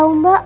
gak tau mbak